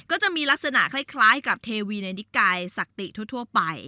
ลักษณะคล้ายกับเทวีในนิกายศักติทั่วไป